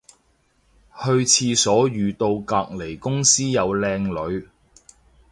去廁所遇到隔離公司有靚女